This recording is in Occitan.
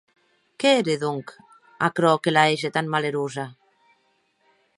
Qué ère, donc, aquerò que la hège tan malerosa?